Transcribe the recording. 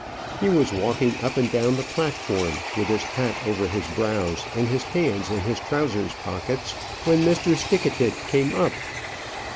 He was walking up and down the platform, with his hat over his brows, and his hands in his trousers pockets, when Mr. Stickatit came up.